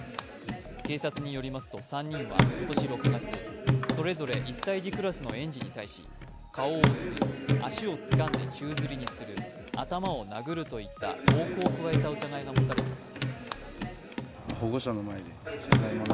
警察によりますと、３人は今年６月、それぞれ１歳児クラスの園児に対し顔を押す、足をつかんで宙づりにする、頭を殴るといった暴行を加えた疑いがもたれています。